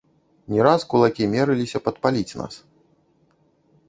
Не раз кулакі мерыліся падпаліць нас.